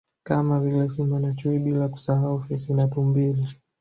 Kama vile Simba na Chui bila kusahau Fisi na Tumbili